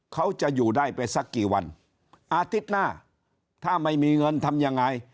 เขาจะอยู่ได้ไปสักกี่วันอาทิตย์หน้าถ้าไม่มีเงินทำยังไง